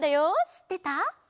しってた？